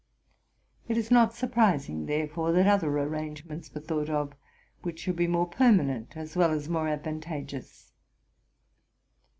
It is not surprising, therefore, that other arrangements were thought of which should be more permanent as well as more advantageous.